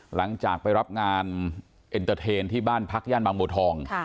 หลังจากไปรับงานที่บ้านพักย่านบางโมทอง